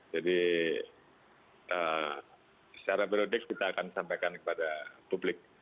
jadi secara berodek kita akan sampaikan kepada publik